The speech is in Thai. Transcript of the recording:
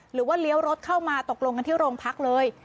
หรือว่าเลี้ยวรถเข้ามาตกลงกันที่โรงพักเลย